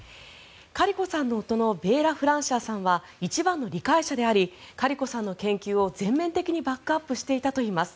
カリコさんの夫のベーラ・フランシアさんは一番の理解者でありカリコさんの研究を全面的にバックアップしていたといいます。